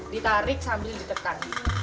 ditarik sambil ditekan